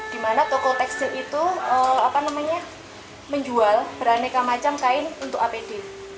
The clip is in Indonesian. di mana toko tekstil itu menjual beraneka macam kain untuk apd